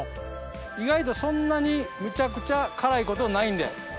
意外とそんなにむちゃくちゃ辛いことないんで。